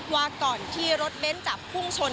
ว่าก่อนที่รถเบ้นจะพุ่งชน